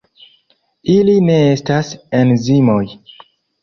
Ili ne estas enzimoj.